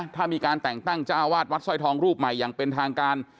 ถ้ามีการแต่งตั้งจ้าวาดวัดสร้อยทองรูปใหม่อย่างเป็นทางการ